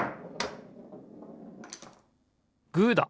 グーだ！